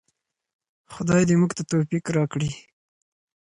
خدای دې موږ ته توفیق راکړي.